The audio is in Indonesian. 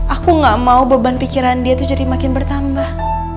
aku gak mau beban pikiran dia tuh jadi makin bertambah